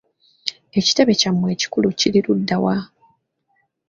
Ekitebe kya mmwe ekikulu kiri ludda wa?